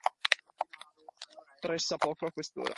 Press’a poco a quest’ora.